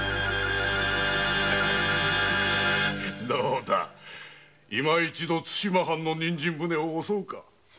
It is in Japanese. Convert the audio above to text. どうだ今一度対馬藩の人参船を襲うか。